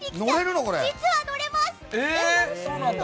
実は乗れます！